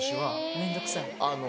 面倒くさいの？